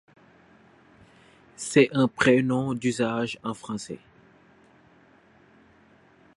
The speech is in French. C'est un prénom d'usage en français.